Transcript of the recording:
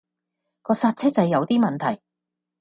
個煞車掣有啲問題